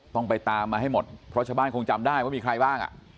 ต้องไปตามมาให้หมดเพราะชาวบ้านคงจำได้ว่ามีใครบ้างอ่ะ